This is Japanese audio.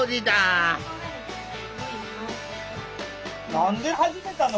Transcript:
何で始めたの？